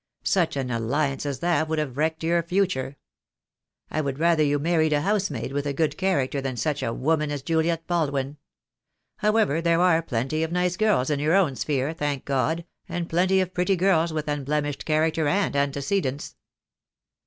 Such an alliance as that would have wrecked your future. I would rather you married a housemaid with a good character than such a woman as Juliet Baldwin. However, there are plenty of nice girls in your own sphere, thank God, and plenty of pretty girls with unblemished character and antecedents."